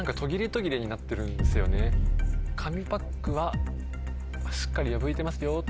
紙パックはしっかり破いてますよ。